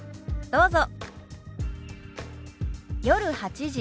どうぞ。